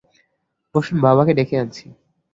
বসুন, বাবাকে ডেকে দিচ্ছি।